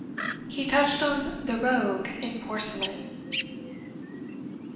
He touched on the rogue in porcelain.